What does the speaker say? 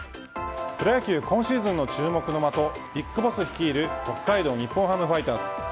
プロ野球、今シーズンの注目の的ＢＩＧＢＯＳＳ率いる北海道日本ハムファイターズ。